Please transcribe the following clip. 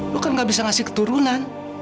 lo kan gak bisa ngasih keturunan